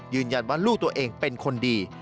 ยืนยันว่าลูกตัวเองเป็นคนดี